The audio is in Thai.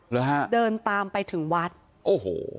เหรอฮะเดินตามไปถึงวัดโอ้โห